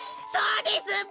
そうです！